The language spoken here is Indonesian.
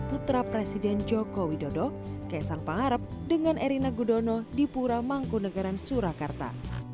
putra presiden joko widodo kesan pangarep dengan erina gudono di puramangku negeran surakarta